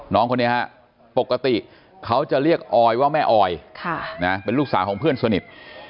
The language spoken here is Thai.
น้องคนนี้ฮะปกติเขาจะเรียกออยว่าแม่ออยเป็นลูกสาวของเพื่อนสนิท